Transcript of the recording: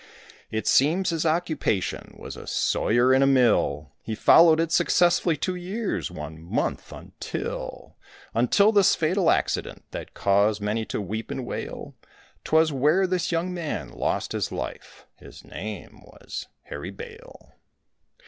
It seems his occupation was a sawyer in a mill, He followed it successfully two years, one month, until, Until this fatal accident that caused many to weep and wail; 'Twas where this young man lost his life, his name was Harry Bale.